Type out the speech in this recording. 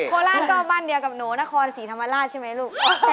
โคราชต้องมั่นเบียงโหน๊ะคอศีษฐมาราชใช่ไหมลูก